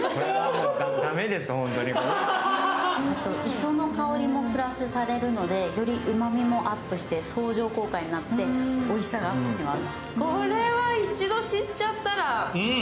磯の香りもよりプラスされるので、うまみがアップして相乗効果になって、おいしさがアップします。